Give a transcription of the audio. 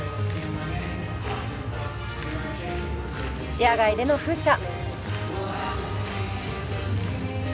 視野外での風車。